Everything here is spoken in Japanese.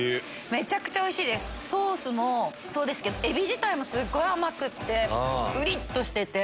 めちゃくちゃおいしいですソースもそうですけどエビ自体もすっごい甘くてブリっとしてて。